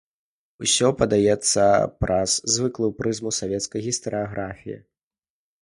Усё падаецца праз звыклую прызму савецкай гістарыяграфіі.